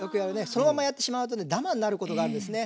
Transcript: そのままやってしまうとねダマになることがあるんですね。